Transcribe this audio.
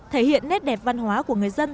thể hiện nét đẹp văn hóa của người dân